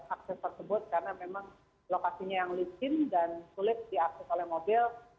akses tersebut karena memang lokasinya yang licin dan sulit diakses oleh mobil